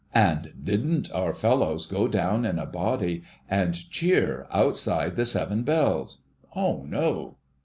And didn't our fellows go down in a body and cheer outside the Seven Bells ? O no